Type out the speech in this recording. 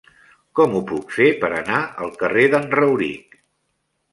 Com ho puc fer per anar al carrer d'en Rauric?